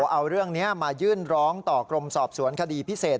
เอาเรื่องนี้มายื่นร้องต่อกรมสอบสวนคดีพิเศษ